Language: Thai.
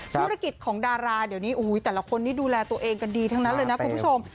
ธุรกิจของดาราเดี๋ยวนี้แต่ละคนนี้ดูแลตัวเองกันดีทั้งนั้นเลยนะคุณผู้ชม